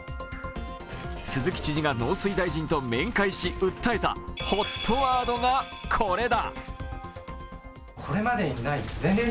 鈴木知事が農水大臣と面会し、訴えたＨＯＴワードがこれだ！